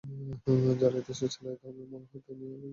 যারা এই দেশ চালায় তাদের মনে আমি এই ভয় সৃষ্টি করতে চাই।